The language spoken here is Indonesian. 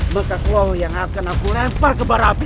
maka kau yang akan aku lempar ke barah api